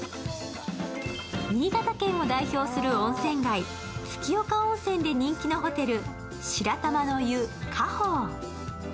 新潟県を代表する温泉街、月岡温泉で人気のホテル、白玉の湯華鳳。